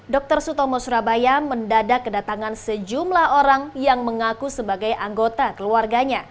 dr sutomo surabaya mendadak kedatangan sejumlah orang yang mengaku sebagai anggota keluarganya